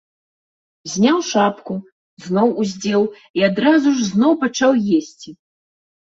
Зняў шапку, зноў уздзеў і адразу ж зноў пачаў есці.